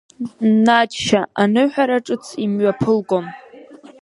Надшьа аныҳәара ҿыц имҩаԥылгон.